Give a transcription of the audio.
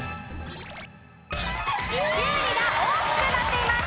きゅうりが大きくなっています。